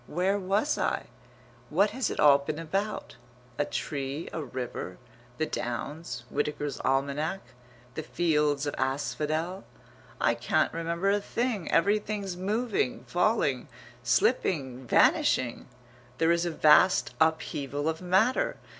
Where was I? What has it all been about? A tree? A river? The Downs? Whitaker's Almanack? The fields of asphodel? I can't remember a thing. Everything's moving, falling, slipping, vanishing.... There is a vast upheaval of matter.